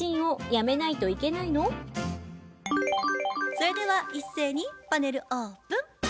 それでは一斉にパネルオープン。